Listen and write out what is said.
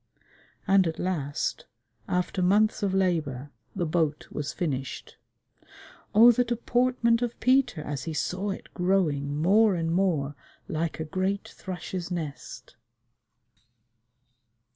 And at last, after months of labor, the boat was finished. Oh, the deportment of Peter as he saw it growing more and more like a great thrush's nest!